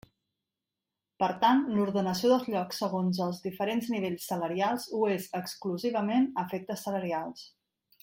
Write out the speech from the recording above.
Per tant, l'ordenació dels llocs segons els diferents nivells salarials ho és exclusivament a efectes salarials.